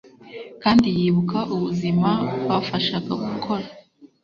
kandi yibuka ubuzima bafashaga gukora